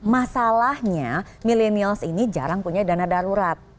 masalahnya milenials ini jarang punya dana darurat